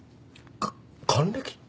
か還暦？